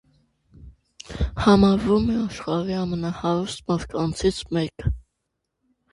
Համարվում է աշխարհի ամենահարուտ մարդկանցից մեկը։